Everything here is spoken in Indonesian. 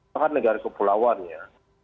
bahkan negara kepulauannya